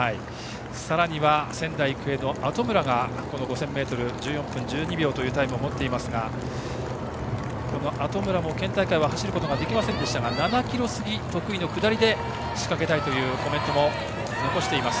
さらには仙台育英の後村が５０００ｍ１４分１２秒というタイムを持っている選手ですが後村も県大会は走ることができませんでしたが７ｋｍ過ぎ、得意の下りで仕掛けたいというコメントも残しています。